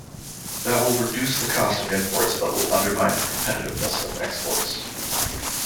That will reduce the cost of imports but will undermine the competitiveness of exports.